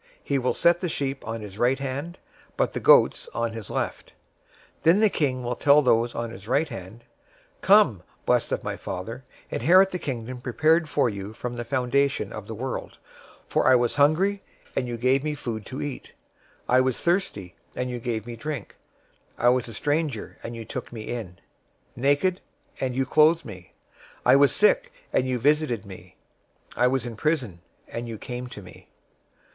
025:033 He will set the sheep on his right hand, but the goats on the left. 025:034 Then the King will tell those on his right hand, 'Come, blessed of my Father, inherit the Kingdom prepared for you from the foundation of the world; 025:035 for I was hungry, and you gave me food to eat; I was thirsty, and you gave me drink; I was a stranger, and you took me in; 025:036 naked, and you clothed me; I was sick, and you visited me; I was in prison, and you came to me.'